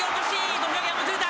土俵際、もつれた。